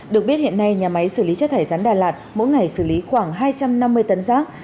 được biết hiện nay nhà máy xử lý chất thải rắn đà lạt mỗi ngày xử lý khoảng hai trăm năm mươi tấn rác